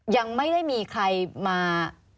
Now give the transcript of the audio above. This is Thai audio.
ยังไม่ได้มีใครมา